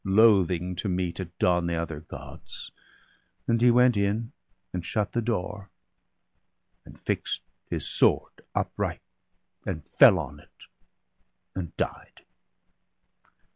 Loathing to meet, at dawn, the other Gods; And he went in, and shut the door, and fixt His sword upright, and fell on it, and died.